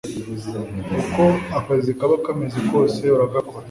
uko akazi kaba kameze kose uragakora